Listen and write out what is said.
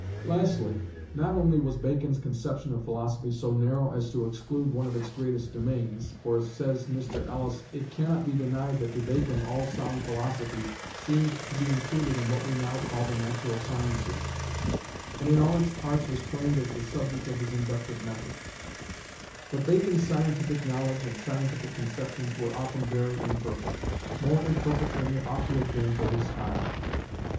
Lastly, not only was Bacon's conception of philosophy so narrow as to exclude one of its greatest domains; for, says Mr. Ellis, "it cannot be denied that to Bacon all sound philosophy seemed to be included in what we now call the natural sciences," and in all its parts was claimed as the subject of his inductive method; but Bacon's scientific knowledge and scientific conceptions were often very imperfect more imperfect than they ought to have been for his time.